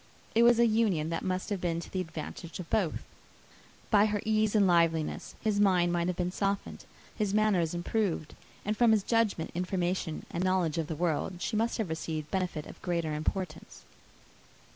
It was an union that must have been to the advantage of both: by her ease and liveliness, his mind might have been softened, his manners improved; and from his judgment, information, and knowledge of the world, she must have received benefit of greater importance.